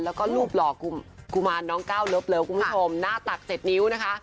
แล้วก็รูปหล่อกุมารน้องก้าวเลิฟคุณผู้ชมหน้าตัก๗นิ้วนะคะ